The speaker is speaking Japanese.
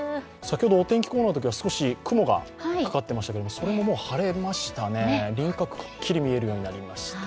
お天気コーナーのときは少し雲がかかっていましたけど、それも晴れましたね、輪郭がくっきり見えるようになりました。